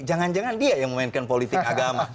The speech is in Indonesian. jangan jangan dia yang memainkan politik agama